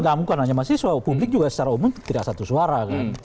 bukan hanya mahasiswa publik juga secara umum tidak satu suara kan